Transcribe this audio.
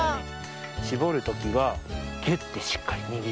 しぼるときはぎゅってしっかりにぎります。